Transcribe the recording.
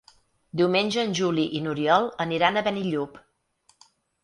Diumenge en Juli i n'Oriol aniran a Benillup.